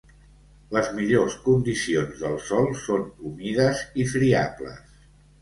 Les millors condicions del sòl són humides i friables.